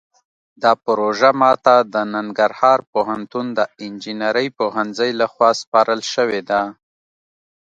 دا پروژه ماته د ننګرهار پوهنتون د انجنیرۍ پوهنځۍ لخوا سپارل شوې ده